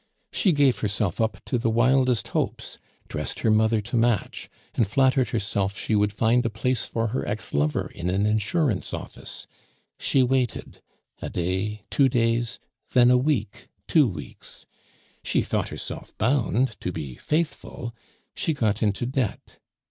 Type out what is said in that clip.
She gave herself up to the wildest hopes, dressed her mother to match, and flattered herself she would find a place for her ex lover in an insurance office. She waited a day, two days then a week, two weeks. She thought herself bound to be faithful; she got into debt.